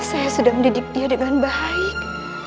saya sudah mendidik dia dengan baik